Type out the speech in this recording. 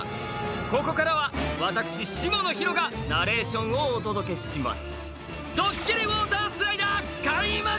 ここからは、私、下野紘がナレーションをお届けします。